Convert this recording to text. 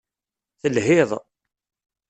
Telhiḍ.